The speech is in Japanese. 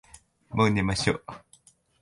もう寝ましょ。